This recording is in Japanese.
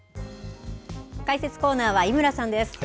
解説コーナーは井村さんです。